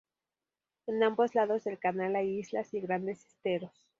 En ambos lados del canal hay islas y grandes esteros.